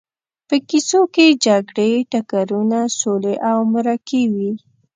په کیسو کې جګړې، ټکرونه، سولې او مرکې وي.